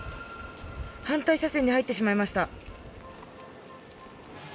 反対車線に入ってしまいました。